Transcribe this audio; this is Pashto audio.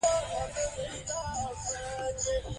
انځور د کعبې د ځلېدنې ځانګړتیا څرګندوي.